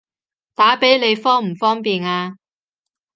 打畀你方唔方便啊？